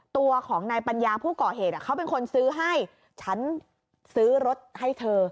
ตัวของนายปัญญาผู้ก่อเหตุเขาเป็นคนซื้อให้ฉันซื้อรถให้เธอ